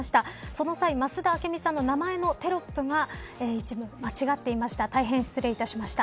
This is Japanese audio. その際、増田明美さんの名前のテロップが一部間違っていました。